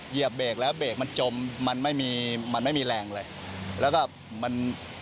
เหยียบเบรกแล้วเบรกมันจมมันไม่มีแรงเลย